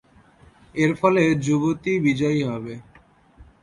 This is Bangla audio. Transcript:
এর ফলে যুবতী বিজয়ী হবে।